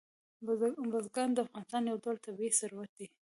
بزګان د افغانستان یو ډول طبعي ثروت دی.